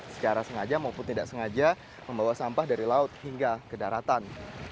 secara sengaja maupun tidak sengaja membawa sampah dari laut hingga ke daratan